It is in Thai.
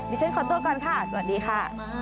ฉันขอตัวก่อนค่ะสวัสดีค่ะ